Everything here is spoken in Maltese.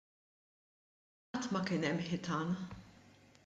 Qatt ma kien hemm ħitan.